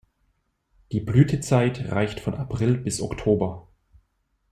Die Blütezeit reicht von April bis Oktober.